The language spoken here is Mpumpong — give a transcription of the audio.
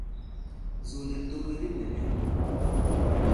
Zol ɛ tɔ́ wɛ tí mɛlyam ?